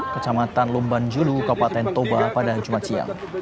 kecamatan lumban julu kepaten toba pada jumat siang